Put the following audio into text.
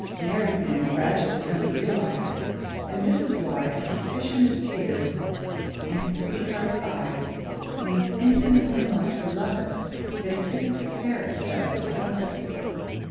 Married men gradually come to realise it, and this is why a suspicion of tears in his sweetheart's eyes means infinitely more to a lover than a fit of hysterics does to a husband.